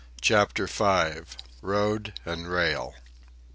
CHAPTER V. ROAD AND RAIL.